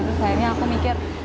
terus akhirnya aku mikir